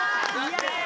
嫌や！